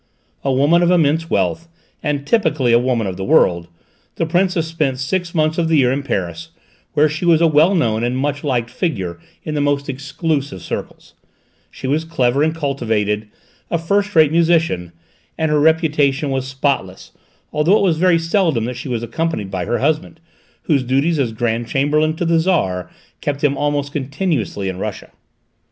A woman of immense wealth, and typically a woman of the world, the Princess spent six months of the year in Paris, where she was a well known and much liked figure in the most exclusive circles; she was clever and cultivated, a first rate musician, and her reputation was spotless, although it was very seldom that she was accompanied by her husband, whose duties as Grand Chamberlain to the Tsar kept him almost continuously in Russia.